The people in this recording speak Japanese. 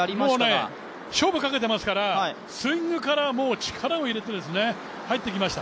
もうね、勝負かけてますからスイングから力を入れて入ってきました。